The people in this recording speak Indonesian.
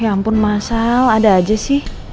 ya ampun masal ada aja sih